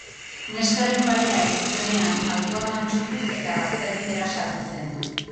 Neskaren parera heldu zenean, autoa mantsotu eta bazterbidera sartu zuen.